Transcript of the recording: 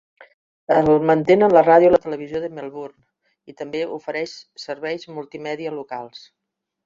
El mantenen la ràdio i la televisió de Melbourne, i també ofereix serveis multimèdia locals.